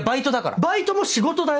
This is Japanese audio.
バイトも仕事だよ。